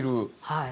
はい。